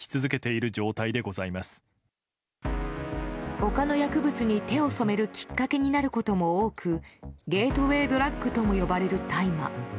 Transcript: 他の薬物に手を染めるきっかけになることも多くゲートウェードラッグとも呼ばれる大麻。